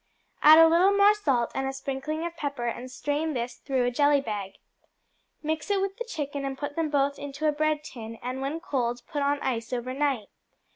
Add a little more salt, and a sprinkling of pepper, and strain this through a jelly bag. Mix it with the chicken, and put them both into a bread tin, and when cold put on ice over night.